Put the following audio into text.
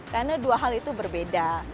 karena dua hal itu berbeda